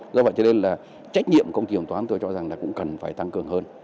do vậy cho nên là trách nhiệm của công ty kiểm toán tôi cho rằng là cũng cần phải tăng cường hơn